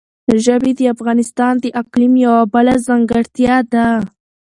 ژبې د افغانستان د اقلیم یوه بله ځانګړتیا ده.